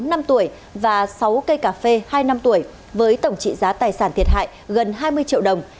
bốn năm tuổi và sáu cây cà phê hai năm tuổi với tổng trị giá tài sản thiệt hại gần hai mươi triệu đồng